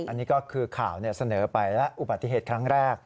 อันนี้ก็คือข่าวเสนอไปแล้วอุบัติเหตุครั้งแรก